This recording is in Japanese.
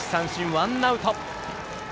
ワンアウト。